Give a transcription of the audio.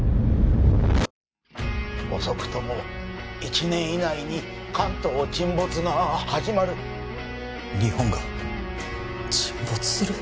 遅くとも１年以内に関東沈没が始まる日本が沈没する？